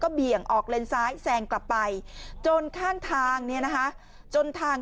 เบี่ยงออกเลนซ้ายแซงกลับไปจนข้างทางเนี่ยนะคะจนทาง